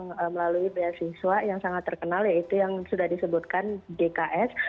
yang melalui beasiswa yang sangat terkenal yaitu yang sudah disebutkan dks